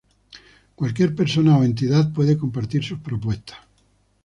Cualquier persona o entidad puede compartir sus propuestas.